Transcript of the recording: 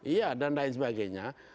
iya dan lain sebagainya